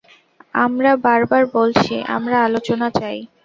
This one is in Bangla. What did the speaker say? আমরা বারবার বলছি, আমরা আলোচনা চাই।